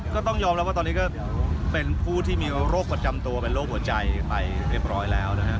ก็ต้องยอมรับว่าตอนนี้ก็เป็นผู้ที่มีโรคประจำตัวเป็นโรคหัวใจไปเรียบร้อยแล้วนะฮะ